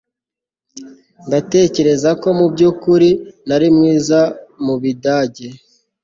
Ndatekereza ko mubyukuri ntari mwiza mubidage